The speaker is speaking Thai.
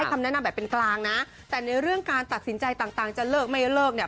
คำแนะนำแบบเป็นกลางนะแต่ในเรื่องการตัดสินใจต่างจะเลิกไม่เลิกเนี่ย